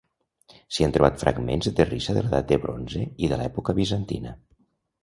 S'hi han trobat fragments de terrissa de l'edat de Bronze i de l'època bizantina.